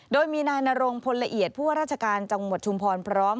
โดยมีนายนรงพลละเอียดผู้ว่าราชการจังหวัดชุมพรพร้อม